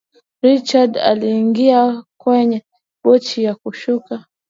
richard aliingia kwenye boti ya kushuka